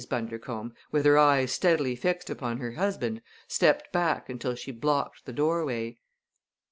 Bundercombe, with her eyes steadily fixed upon her husband, stepped back until she blocked the doorway.